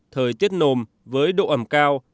thời tiết nồm với độ ẩm cao